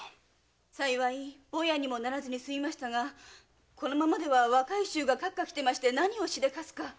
幸いボヤにもならずにすみましたがこのままでは若い衆がカッカきてまして何をしでかすか。